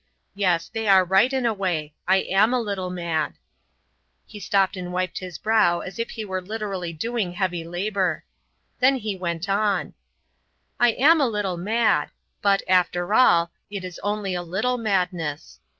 Yes, they are right in a way. I am a little mad." He stopped and wiped his brow as if he were literally doing heavy labour. Then he went on: "I am a little mad; but, after all, it is only a little madness.